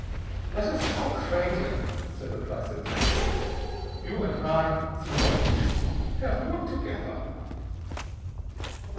"Let us talk frankly," said the placid German voice. "You andt I, Señor Ortiz, haff worked together.